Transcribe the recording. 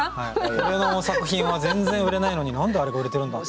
俺の作品は全然売れないのに何であれが売れてるんだって。